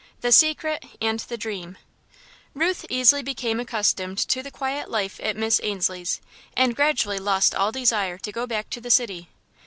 The Secret and the Dream Ruth easily became accustomed to the quiet life at Miss Ainslie's, and gradually lost all desire to go back to the city.